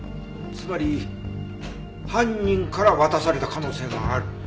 つまり犯人から渡された可能性がある。